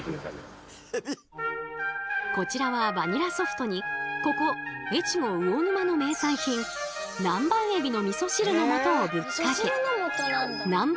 こちらはバニラソフトにここ越後魚沼の名産品南蛮えびのみそ汁の素をぶっかけ南蛮